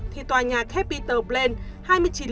thì tòa nhà capitol plain